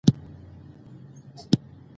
دښتې د افغان ځوانانو د هیلو استازیتوب کوي.